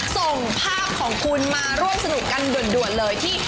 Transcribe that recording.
ส่งภาพของคุณมาร่วมสนุกกันด่วนเลยที่